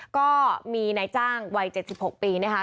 ก็มีนายจ้างวัย๗๖ปีนะคะ